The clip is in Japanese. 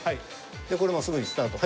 でこれもすぐにスタート。